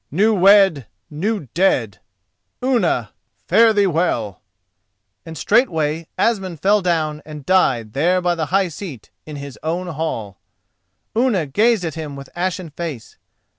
New wed, new dead! Unna, fare thee well!" And straightway Asmund fell down and died there by the high seat in his own hall. Unna gazed at him with ashen face.